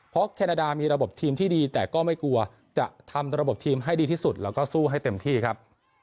เพราะแคนาดามีระบบทีมที่ดีแต่ก็ไม่กลัวจะทำระบบทีมให้ดีที่สุดแล้วก็สู้ให้เต็มที่ครับ